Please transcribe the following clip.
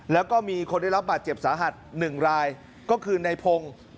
แล้วก็มีคนได้รับบาดเจ็บสาหัส๑รายก็คือในพงศ์